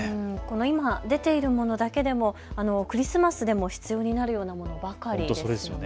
今、出ているものだけでものクリスマスでも必要になるようなものばかりですよね。